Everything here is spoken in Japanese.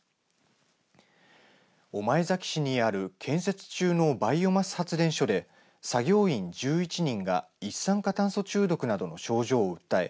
御前崎市にある建設中のバイオマス発電所で作業員１１人が一酸化炭素中毒などの症状を訴え